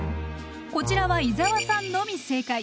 こちらは伊沢さんのみ正解。